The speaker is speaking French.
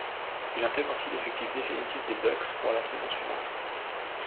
Il intègre ainsi l'effectif définitif des Bucks pour la saison suivante.